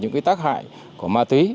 những tác hại của ma túy